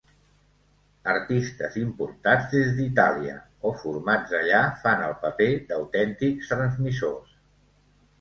Artistes importats des d'Itàlia o formats allà fan el paper d'autèntics transmissors.